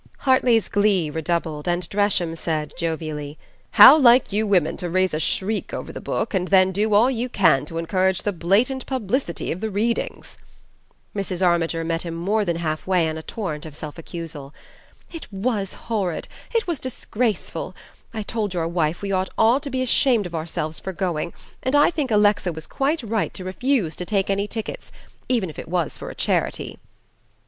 Hartly's glee redoubled, and Dresham said, jovially, "How like you women to raise a shriek over the book and then do all you can to encourage the blatant publicity of the readings!" Mrs. Armiger met him more than half way on a torrent of self accusal. "It WAS horrid; it was disgraceful. I told your wife we ought all to be ashamed of ourselves for going, and I think Alexa was quite right to refuse to take any tickets even if it was for a charity."